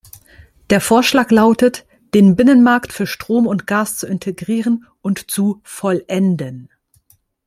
Der Vorschlag lautet, den Binnenmarkt für Strom und Gas zu integrieren und zu "vollenden".